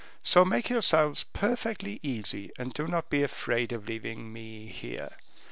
So make yourselves perfectly easy, and do not be afraid of leaving me here.